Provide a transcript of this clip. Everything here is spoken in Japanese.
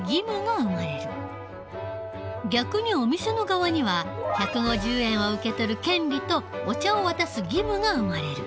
逆にお店の側には１５０円を受けとる権利とお茶を渡す義務が生まれる。